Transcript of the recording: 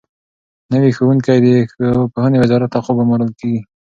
نوي ښوونکي د پوهنې وزارت لخوا ګومارل کېږي.